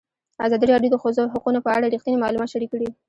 ازادي راډیو د د ښځو حقونه په اړه رښتیني معلومات شریک کړي.